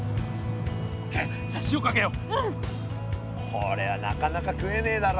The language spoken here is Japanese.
これはなかなか食えねえだろ。